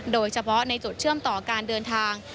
โดยเฉพาะในจุดเชื่อมต่อการเดินทาง